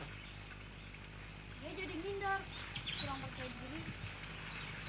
kurang percaya diri